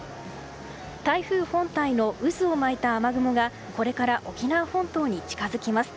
台風本体の渦を巻いた雨雲がこれから沖縄本島に近づきます。